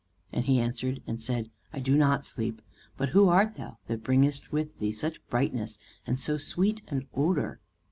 and he answered and said, "I do not sleep: but who art thou that bringest with thee such brightness and so sweet an odor?"